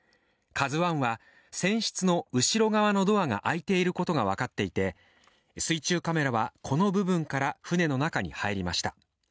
「ＫＡＺＵⅠ」は船室の後ろ側のドアが開いていることが分かっていて、水中カメラはこの部分から船の中に入りました。